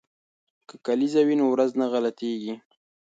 که کلیزه وي نو ورځ نه غلطیږي.